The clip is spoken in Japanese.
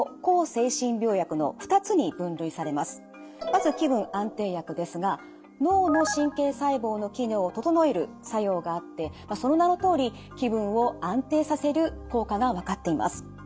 まず気分安定薬ですが脳の神経細胞の機能を整える作用があってその名のとおり気分を安定させる効果が分かっています。